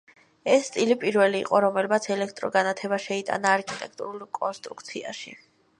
ეს სტილი პირველი იყო, რომელმაც ელექტრო განათება შეიტანა არქიტექტურულ კონსტრუქციაში.